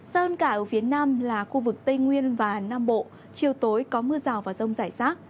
sơn cả ở phía nam là khu vực tây nguyên và nam bộ chiều tối có mưa rào và rông rải rác